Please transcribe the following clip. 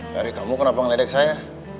dari kamu kenapa ngeledek saya